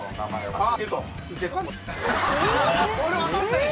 あっ！